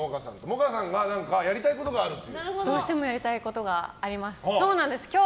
萌歌さんがやりたいことがあると。